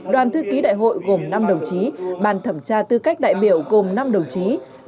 đoàn thư ký đại hội gồm năm đồng chí bàn thẩm tra tư cách đại biểu gồm năm đồng chí